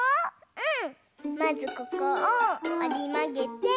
うん？